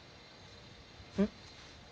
うん？